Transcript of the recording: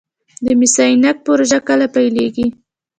د مس عینک پروژه کله پیلیږي؟